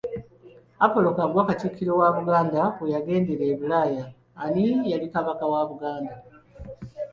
Apollo Kaggwa Katikkiro wa Buganda we yagendera e Bulaaya, ani yali Kabaka wa Buganda.